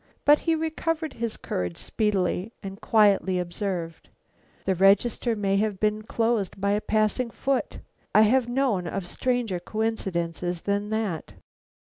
But he recovered his courage speedily, and quietly observed: "The register may have been closed by a passing foot. I have known of stranger coincidences than that."